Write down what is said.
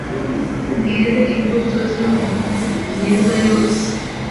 mwere imbuto z’imirimo myiza yose